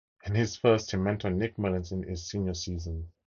In his first he mentored Nick Mullens in his senior season.